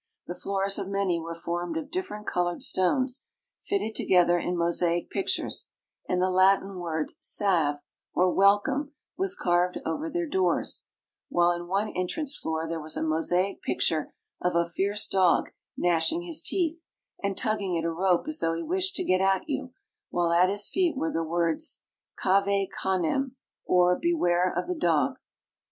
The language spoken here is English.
The floors of many were formed of different colored stones, fitted together in mosaic pictures, and the Latin word " Salve" or " welcome," was carved over their doors ; while in one entrance floor there was a mosaic picture of a fierce dog gnashing his teeth, and tugging at a rope as though he wished to get at you, while at his feet were the words, " Cave Canem," or " Beware of the dog."